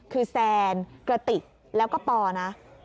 คือแซนกระติกแล้วก็ปอนะ